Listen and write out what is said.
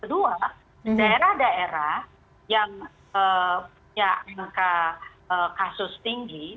kedua daerah daerah yang punya angka kasus tinggi